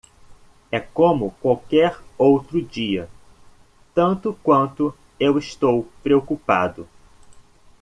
É como qualquer outro dia, tanto quanto eu estou preocupado.